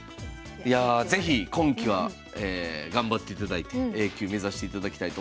いや是非今期は頑張っていただいてＡ級目指していただきたいと思います。